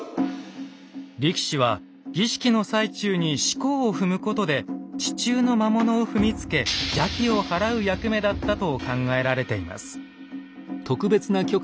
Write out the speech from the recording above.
力士は儀式の最中に四股を踏むことで地中の魔物を踏みつけ邪気を払う役目だったと考えられています。